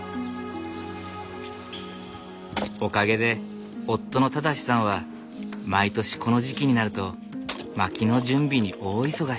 おかげで夫の正さんは毎年この時期になると薪の準備に大忙し。